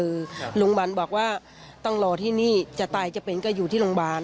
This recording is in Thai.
คือโรงพยาบาลบอกว่าต้องรอที่นี่จะตายจะเป็นก็อยู่ที่โรงพยาบาล